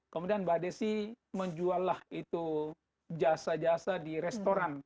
kemudian mbak desi menjual jasa jasa di restoran